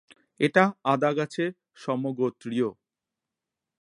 এটি আদা গাছের সমগোত্রীয়।